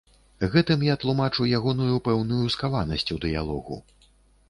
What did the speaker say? Гэтым я тлумачу ягоную пэўную скаванасць у дыялогу.